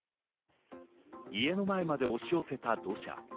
家の前まで押し寄せた土砂。